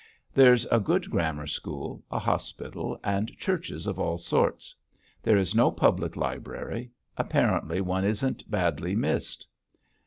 There's a good grammar school, a hospital, and churches of all sorts. There is no public library; apparently one isn't badly missed.